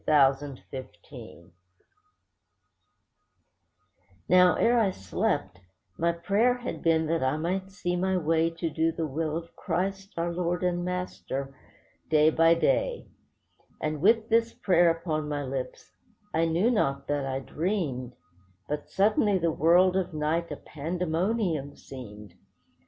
CHRIST CRUCIFIED Now ere I slept, my prayer had been that I might see my way To do the will of Christ, our Lord and Master, day by day; And with this prayer upon my lips, I knew not that I dreamed, But suddenly the world of night a pandemonium seemed.